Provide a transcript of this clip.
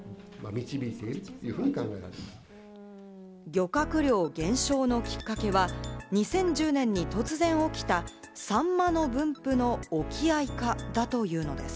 漁獲量現象のきっかけは２０１０年に突然起きたサンマの分布の沖合化だというのです。